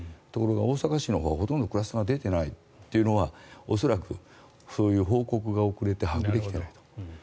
ところが、大阪府のほうはほとんどクラスターが出てないということで恐らくそういう報告が遅れて把握できていないと。